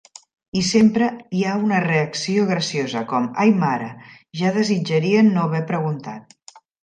I sempre hi ha una reacció graciosa, com "Ai mare, ja desitjarien no haver preguntat.